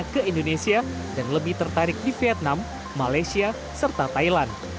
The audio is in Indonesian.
ke indonesia dan lebih tertarik di vietnam malaysia serta thailand